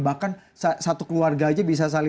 bahkan satu keluarga aja bisa saling